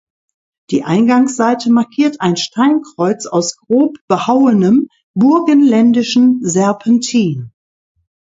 Die Eingangsseite markiert ein Steinkreuz aus grob behauenem burgenländischen Serpentin.